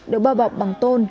được bao bọc bằng tôn